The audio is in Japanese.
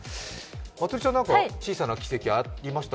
まつりちゃん、小さな奇跡、ありました？